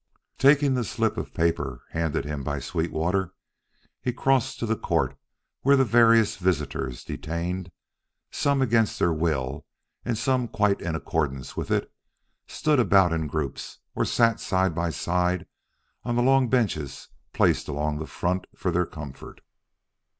Taking the slip of paper handed him by Sweetwater, he crossed the court to where the various visitors, detained, some against their will and some quite in accordance with it, stood about in groups or sat side by side on the long benches placed along the front for their comfort.